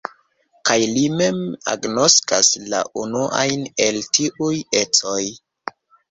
Kaj li mem agnoskas la unuajn el tiuj ecoj.